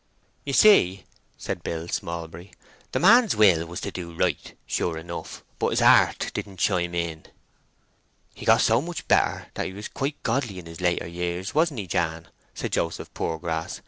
"You see," said Billy Smallbury, "The man's will was to do right, sure enough, but his heart didn't chime in." "He got so much better, that he was quite godly in his later years, wasn't he, Jan?" said Joseph Poorgrass.